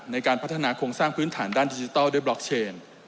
ในการพัฒนาโครงสร้างพื้นฐานด้านดิจิทัลด้วยบล็อกเชน